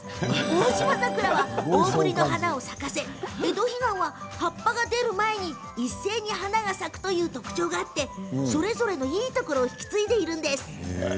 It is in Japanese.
オオシマザクラは大ぶりの花を咲かせエドヒガンは葉っぱが出る前に一斉に花が咲くという特徴があってそれぞれのいいところを引き継いでいるんです。